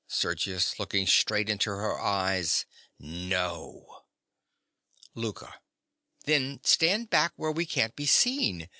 SERGIUS. (looking straight into her eyes). No. LOUKA. Then stand back where we can't be seen.